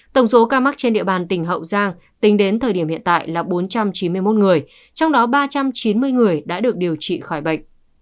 tổng số ca mắc trên địa bàn tỉnh hậu giang tính đến thời điểm hiện tại là bốn trăm chín mươi một người trong đó ba trăm chín mươi người đã được điều trị khỏi bệnh